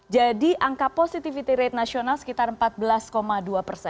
jadi angka positivity rate nasional sekitar empat belas